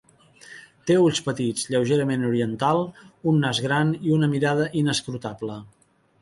Té ulls petits, lleugerament oriental, un nas gran i una mirada inescrutable.